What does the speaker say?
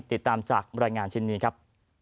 ติดตามจากรายงานชิ้นนี้ครับ